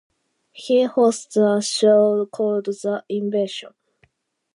He hosts a show called "The Invasion".